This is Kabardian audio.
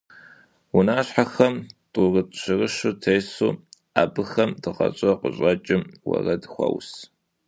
Унащхьэхэм тӀурытӀ-щырыщу тесу, абыхэм дыгъэщӀэ къыщӀэкӀым уэрэд хуаус.